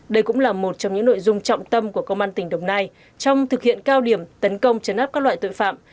đây cũng là một trong những nội dung trọng tâm của công an tỉnh đồng nai trong thực hiện cao điểm tấn công chấn áp các loại tội phạm